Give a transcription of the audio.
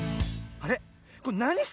あれ？